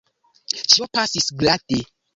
Ĉio pasis glate.